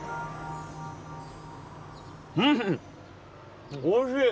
うんおいしい！